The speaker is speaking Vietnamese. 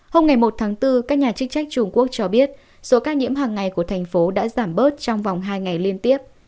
hôm ngày một tháng bốn các nhà chức trách trung quốc cho biết số ca nhiễm hàng ngày của thành phố đã giảm bớt trong vòng hai ngày liên tiếp